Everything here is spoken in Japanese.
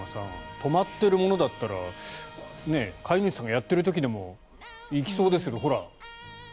止まってるものだったら飼い主さんがやっている時でも行きそうですけど、ほら。